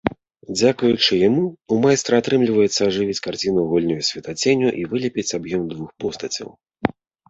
Дзякуючы яму ў майстра атрымліваецца ажывіць карціну гульнёй святлаценю і вылепіць аб'ём двух постацяў.